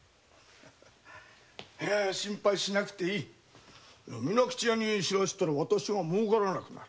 心配しなくていい水口屋に知らせたら私がもうからなくなる。